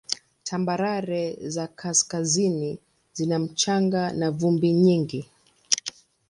Tambarare za kaskazini zina mchanga na vumbi nyingi.